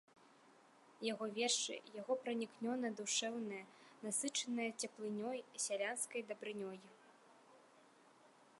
Яго вершы яго пранікнёна- душэўныя, насычаныя цеплынёй, сялянскай дабрынёй.